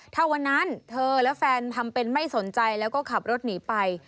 ถ้าวันนั้นเธอและแฟนทำเป็นไม่สนใจแล้วก็ขับรถหนีไป